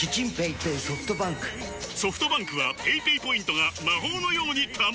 ソフトバンクはペイペイポイントが魔法のように貯まる！